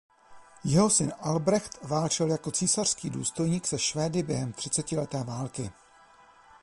Jeho syn Albrecht válčil jako císařský důstojník se Švédy během třicetileté války.